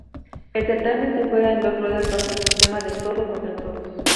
El certamen se juega en dos ruedas bajo el sistema de todos contra todos.